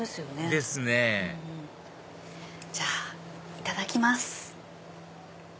ですねじゃあいただきます。